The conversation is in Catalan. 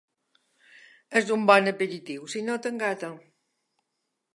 És un bon aperitiu si no t'engata